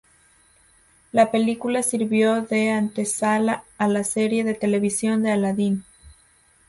La película sirvió de antesala a la serie de televisión de Aladdin.